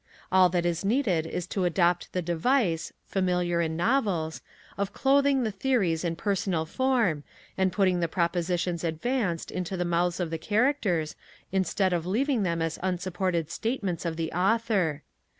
All that is needed is to adopt the device, familiar in novels, of clothing the theories in personal form and putting the propositions advanced into the mouths of the characters, instead of leaving them as unsupported statements of the author.